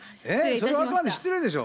それはあかんで失礼でしょ。